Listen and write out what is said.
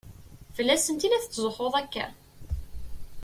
Fell-asent i la tetzuxxuḍ akka?